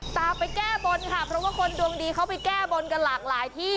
ตามไปแก้บนค่ะเพราะว่าคนดวงดีเขาไปแก้บนกันหลากหลายที่